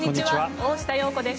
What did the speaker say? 大下容子です。